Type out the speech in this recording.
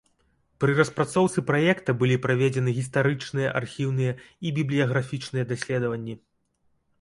Пры распрацоўцы праекта былі праведзены гістарычныя, архіўныя і бібліяграфічныя даследаванні.